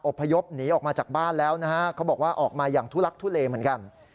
พยพหนีออกมาจากบ้านแล้วนะฮะเขาบอกว่าออกมาอย่างทุลักทุเลเหมือนกัน